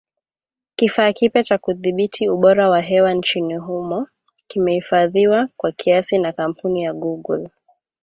Kifaa kipya cha kudhibiti ubora wa hewa nchini humo kimefadhiliwa kwa kiasi na kampuni ya Google